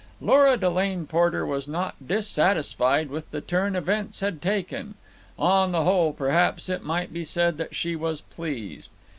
Lora Delane Porter was not dissatisfied with the turn events had taken. On the whole, perhaps, it might be said that she was pleased.